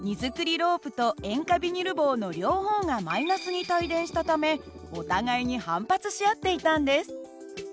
ロープと塩化ビニル棒の両方がに帯電したためお互いに反発し合っていたんです。